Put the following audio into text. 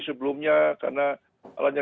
sebelumnya karena alanya